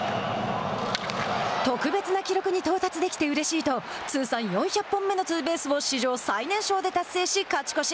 「特別な記録に到達できてうれしい」と通算４００本目のツーベースを史上最年少で達成し、勝ち越し。